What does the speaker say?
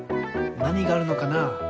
なにがあるのかな？